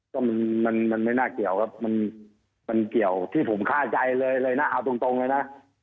ก็มันไม่น่าเกี่ยวครับมันเกี่ยวที่ผมฆ่าใจเลยเลยนะเอาตรงเลยนะ